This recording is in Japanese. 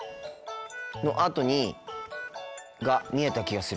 のあとにが見えた気がする。